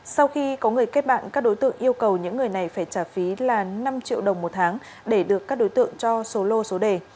sau khi có người kết bạn các đối tượng yêu cầu những người này phải trả phí là năm triệu đồng một tháng để được các đối tượng cho số lô số đề